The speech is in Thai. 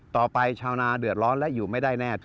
ชาวนาเดือดร้อนและอยู่ไม่ได้แน่